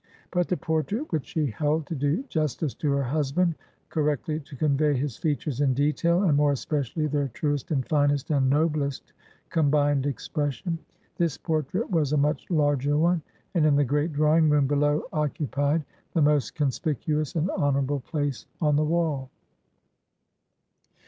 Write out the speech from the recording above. But the portrait which she held to do justice to her husband, correctly to convey his features in detail, and more especially their truest, and finest, and noblest combined expression; this portrait was a much larger one, and in the great drawing room below occupied the most conspicuous and honorable place on the wall.